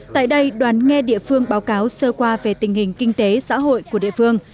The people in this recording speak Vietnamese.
tại đây đoàn nghe địa phương báo cáo sơ qua về tình hình kinh tế xã hội của địa phương